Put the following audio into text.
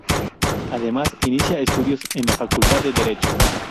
Además inicia estudios en la Facultad de Derecho.